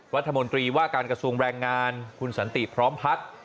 รัฐมนตรีว่าการกระทรวงแรงงานคุณสันติพร้อมพัฒน์